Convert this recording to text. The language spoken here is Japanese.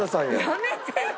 やめてよ！